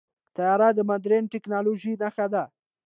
طیاره د مدرن ټیکنالوژۍ نښه ده.